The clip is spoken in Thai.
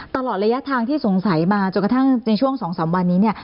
ตลอดระยะทางที่สงสัยมาจนกระทั่งในช่วง๒๓วันนี้เนี่ย